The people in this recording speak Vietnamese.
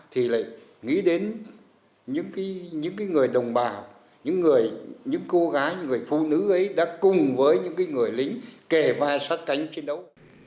thì lại nghĩ đến những người đồng bào những cô gái những người phụ nữ ấy đã cùng với những người lính kề vai sát cánh chiến đấu